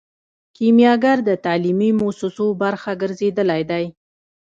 کیمیاګر د تعلیمي موسسو برخه ګرځیدلی دی.